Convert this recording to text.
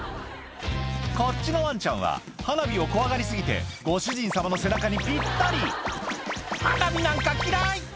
こっちのワンちゃんは花火を怖がり過ぎてご主人様の背中にぴったり「花火なんか嫌い！」